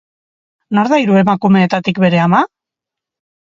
Nor da hiru emakumeetatik bere ama?